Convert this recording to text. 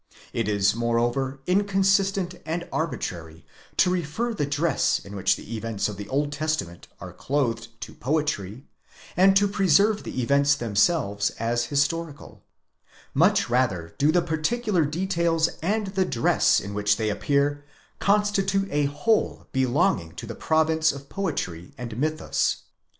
It is moreover inconsistent and arbitrary to refer the dress in which the events of the Old Testament are clothed to poetry, and to preserve the events themselves as historical; much rather do the particular details and the dress in which they appear, constitute a whole belonging to the province of poetry and mythus.